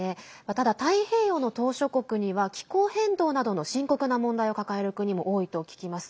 ただ、太平洋の島しょ国には気候変動などの深刻な問題を抱える国も多いと聞きます。